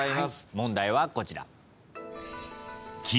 問題はこちら。